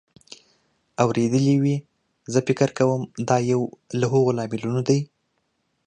اورېدلې وې. زه فکر کوم دا یو له هغو لاملونو دی